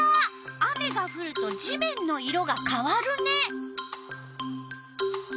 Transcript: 雨がふると地面の色がかわるね。